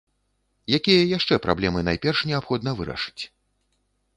Якія яшчэ праблемы найперш неабходна вырашыць?